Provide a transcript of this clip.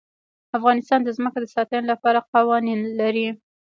افغانستان د ځمکه د ساتنې لپاره قوانین لري.